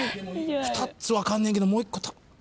２つ分かんねんけどもう１個。